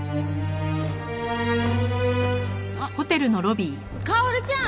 あっ薫ちゃん！